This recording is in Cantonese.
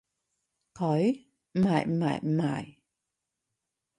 佢？唔係唔係唔係